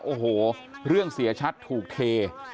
โอ้โหเรื่องเสียชัดถูกเท